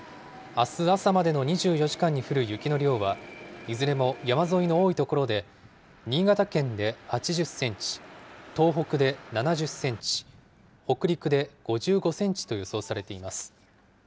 あす朝までの２４時間に降る雪の量は、いずれも山沿いの多い所で、新潟県で８０センチ、東北で７０センチ、北陸で５５センチと予想されています。